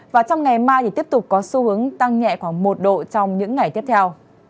và trong ngày mai thì tiếp tục có xu hướng tăng nhẹ khoảng một độ trong những ngày tiếp theo